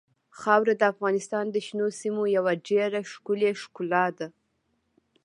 خاوره د افغانستان د شنو سیمو یوه ډېره ښکلې ښکلا ده.